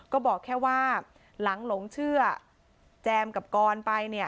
ก็บอกแค่ว่าหลังหลงเชื่อแจมกับกรไปเนี่ย